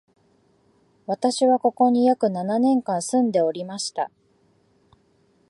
私は、ここに約七年間住んでおりました